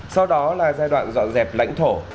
sau đó là giai đoạn dọn dẹp lãnh thổ